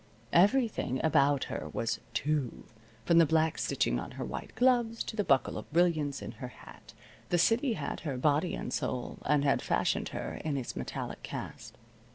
Everything about her was "too," from the black stitching on her white gloves to the buckle of brilliants in her hat. The city had her, body and soul, and had fashioned her in its metallic cast.